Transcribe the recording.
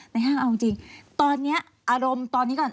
ห้างเอาจริงตอนนี้อารมณ์ตอนนี้ก่อน